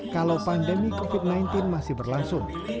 kalau pandemi covid sembilan belas masih berlangsung